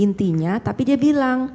intinya tapi dia bilang